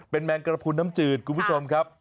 แมงกระพุนน้ำจืดคุณผู้ชมครับ